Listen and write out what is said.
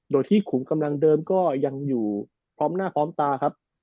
โดยที่ขุมกำลังเดิมก็ยังอยู่พร้อมหน้าพร้อมตาครับ